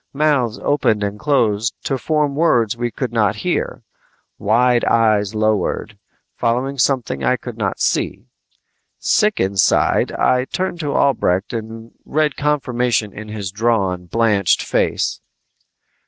Mouths opened and closed to form words we could not hear. Wide eyes lowered, following something I could not see. Sick inside, I turned to Albrecht and read confirmation in his drawn, blanched face.